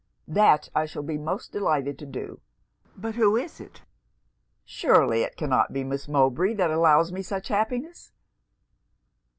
'That I shall be most delighted to do. But who is it? Surely it cannot be Miss Mowbray, that allows me such happiness?'